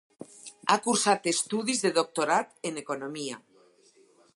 Ha cursat estudis de doctorat en economia.